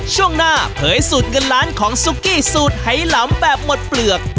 ช่วงหน้าเผยสูตรเงินล้านของซุกี้สูตรไหลำแบบหมดเปลือก